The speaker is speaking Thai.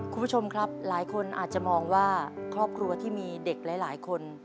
คุณผู้ชมครับหลายคนอาจจะมองว่าครอบครัวที่มีเด็กหลายคน